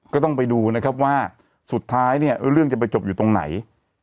ก็ต้องไปดูนะครับว่าสุดท้ายเนี่ยเรื่องจะไปจบอยู่ตรงไหน